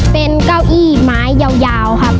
เป็นเก้าอี้ไม้ยาวครับ